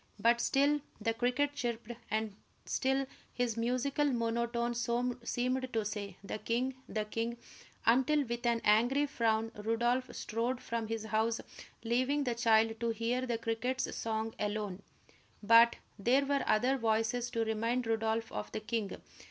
But still the cricket chirped, and still his musical monotone seemed to say, "The king the king," until, with an angry frown, Rodolph strode from his house, leaving the child to hear the cricket's song alone. But there were other voices to remind Rodolph of the king.